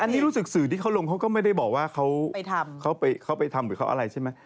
อันนี้รู้สึกสื่อที่เขาลงเขาก็ไม่ได้บอกว่าเขาไปทำหรือเขาอะไรใช่ไหม